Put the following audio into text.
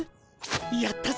やったぞ。